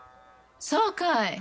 そうかい。